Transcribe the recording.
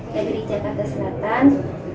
dari jakarta selatan